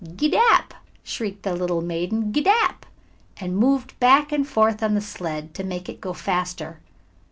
"Gee dap!" shrieked the little maiden. "Gee dap!" and moved back and forth on the sled, to make it go faster.